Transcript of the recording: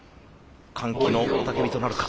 歓喜の雄たけびとなるか。